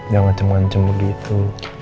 jangan cemuan cemuan gitu